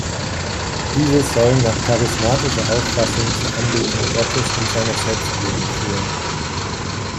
Diese sollen „nach charismatischer Auffassung zur Anbetung Gottes um seiner selbst willen führen.